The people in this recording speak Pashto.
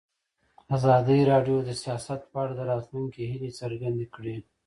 ازادي راډیو د سیاست په اړه د راتلونکي هیلې څرګندې کړې.